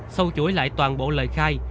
sau chuỗi lại toàn bộ lời khai